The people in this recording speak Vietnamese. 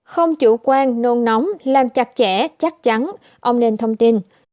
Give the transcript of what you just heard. không chủ quan nôn nóng làm chặt chẽ chắc chắn ông nên thông tin